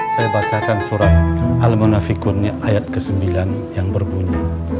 saya bacakan surat al munafikurnya ayat ke sembilan yang berbunyi